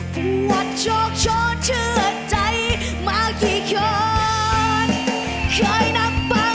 เพราะวัดโชคโชคเชื่อใจมากี่กรอดเคยนับปะไหน